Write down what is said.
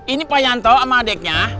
ini pak yanto sama adiknya